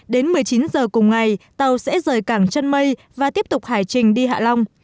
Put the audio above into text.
đến một mươi chín giờ cùng ngày tàu sẽ rời cảng chân mây và tiếp tục hải trình đi hạ long